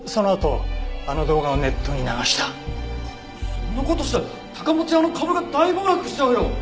そんな事したら高持屋の株が大暴落しちゃうよ！